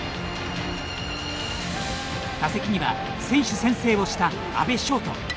打席には選手宣誓をした阿部翔人。